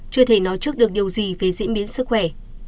chưa thể nói trước được điều gì về diễn biến sức khỏe